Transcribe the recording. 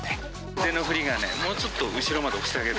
腕の振りがね、もうちょっと後ろまで押してあげる。